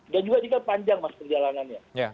dan juga jika panjang mas perjalanannya